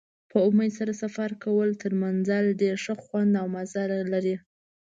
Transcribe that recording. په امید سره سفر کول تر منزل ډېر ښه خوند او مزه لري.